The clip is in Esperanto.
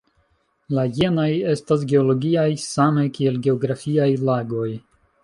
La jenaj estas geologiaj same kiel geografiaj lagoj.